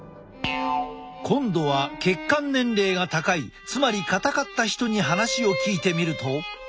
今度は血管年齢が高いつまり硬かった人に話を聞いてみると。